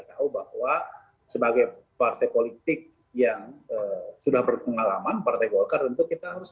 tahu bahwa sebagai partai politik yang sudah berpengalaman partai golkar tentu kita harus